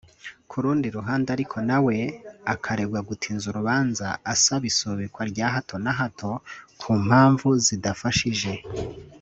Ku rundi ruhande ariko na we akaregwa gutinza urubanza asaba isubikwa rya hato na hato ku mpamvu zidafashije